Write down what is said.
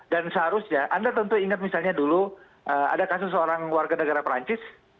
dan seharusnya anda tentu ingat misalnya dulu ada kasus seorang warga negara perancis